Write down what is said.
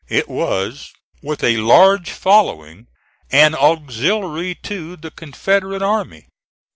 It was, with a large following, an auxiliary to the Confederate army.